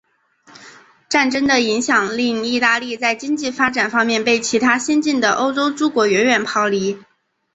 战争的影响令意大利在经济发展方面被其他先进的欧洲诸国远远抛离。